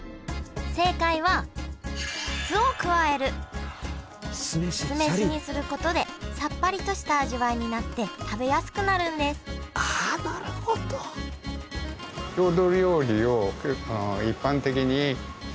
正解は酢飯にすることでさっぱりとした味わいになって食べやすくなるんですあなるほど。と思って開発しました。